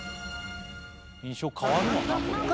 印象変わるのか？